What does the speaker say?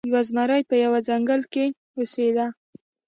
یو زمری په یوه ځنګل کې اوسیده.